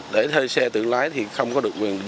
để thuê xe tự lái thì không có được quyền